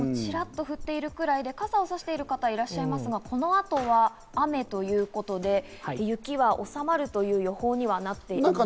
ちらっと降ってるぐらいで、傘を差している方はいらっしゃいますが、この後は雨ということで、雪は収まるという予報にはなっています。